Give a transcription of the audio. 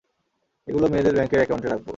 এগুলো মেয়েদের ব্যাংকের একাউন্টে রাখবো।